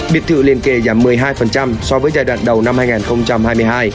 biệt thự liên kề giảm một mươi hai so với giai đoạn đầu năm hai nghìn hai mươi hai